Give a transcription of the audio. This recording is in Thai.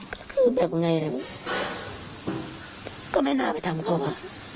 ก็คือแบบไงก็ไม่น่าไปทำเขาค่ะ